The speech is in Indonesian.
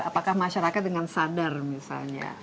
apakah masyarakat dengan sadar misalnya